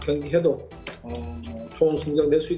saya pikir kita bisa menang dengan baik